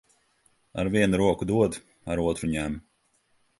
Ar vienu roku dod, ar otru ņem.